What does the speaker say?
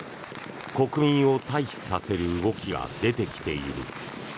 国民を退避させる動きが出てきている。